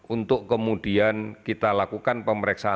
untuk kemudian kita lakukan pemeriksaan